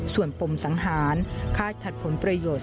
ส่วนปมสังหารค่าขัดผลประโยชน์